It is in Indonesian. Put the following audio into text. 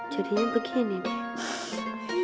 jadinya begini deh